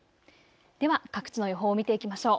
では各地の予報を見ていきましょう。